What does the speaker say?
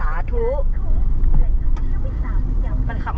อ่ะเห็นไหม